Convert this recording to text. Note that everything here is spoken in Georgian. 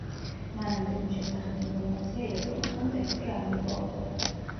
მანამდე მის შესახებ ინფორმაცია იყო, მაგრამ ტექსტი არ მოიპოვებოდა.